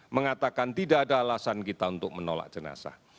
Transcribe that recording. mengatakan tidak ada alasan kita untuk menolak jenazah